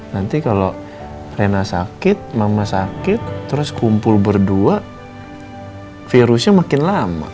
nanti kalau rena sakit mama sakit terus kumpul berdua virusnya makin lama